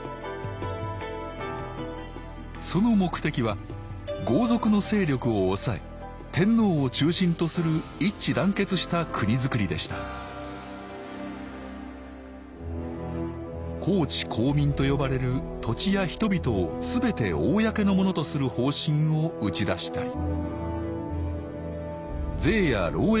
その目的は豪族の勢力を抑え天皇を中心とする一致団結した国づくりでした公地公民と呼ばれる土地や人々を全て公のものとする方針を打ち出したり税や労役の制度をつくろうとしたり